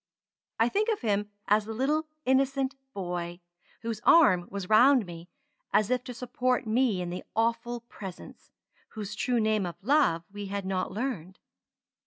I think of him as the little innocent boy, whose arm was round me as if to support me in the Awful Presence, whose true name of Love we had not learned.